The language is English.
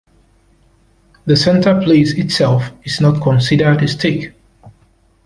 The center place itself is not considered a stake.